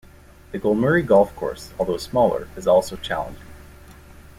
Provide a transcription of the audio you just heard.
The Golmuri Golf Course although smaller is also challenging.